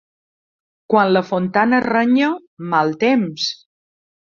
Quan la Fontana renya, mal temps.